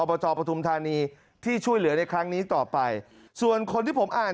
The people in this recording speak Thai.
บจปฐุมธานีที่ช่วยเหลือในครั้งนี้ต่อไปส่วนคนที่ผมอ่าน